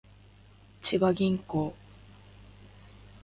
千葉銀行